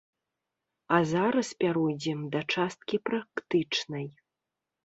А зараз пяройдзем да часткі практычнай.